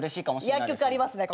薬局ありますね